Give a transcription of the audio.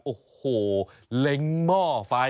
โอ้โหเล้งหม้อไฟ